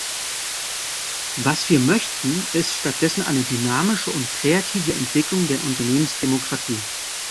Was wir möchten, ist statt dessen eine dynamische und kreative Entwicklung der Unternehmensdemokratie.